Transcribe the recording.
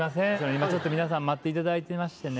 今ちょっと皆さん待っていただいてましてね